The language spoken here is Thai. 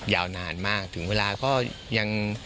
ยาวนานมากถึงเวลาก็ยัง